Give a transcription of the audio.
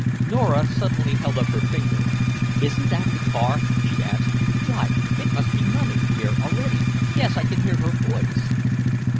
Nora suddenly held up her finger. "Isn't that the car?" she asked. "Why, it must be mummy, here already. Yes, I can hear her voice!"